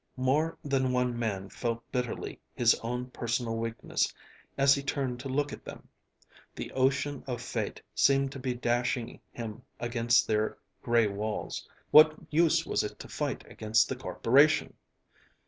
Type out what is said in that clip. More than one man felt bitterly his own personal weakness as he turned to look at them. The ocean of fate seemed to be dashing him against their gray walls what use was it to fight against the Corporation?